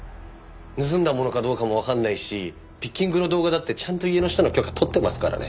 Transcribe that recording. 盗んだものかどうかもわかんないしピッキングの動画だってちゃんと家の人の許可取ってますからね。